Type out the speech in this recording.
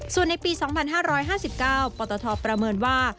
ส่วนในปี๒๕๕๙ปตทประเมินว่า